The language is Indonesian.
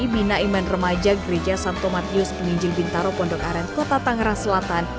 bina iman remaja gereja santo matius penginjil bintaro pondok aren kota tangerang selatan